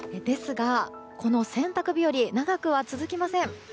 ですが、この洗濯日和長くは続きません。